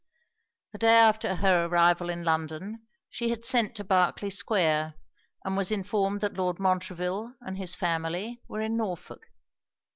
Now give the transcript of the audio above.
The day after her arrival in London, she had sent to Berkley square, and was informed that Lord Montreville and his family were in Norfolk.